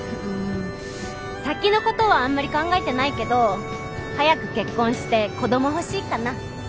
うん先のことはあんまり考えてないけど早く結婚して子ども欲しいかな。